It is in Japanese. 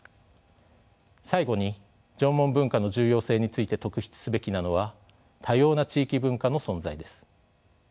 最後に縄文文化の重要性について特筆すべきなのは多様な地域文化の存在です。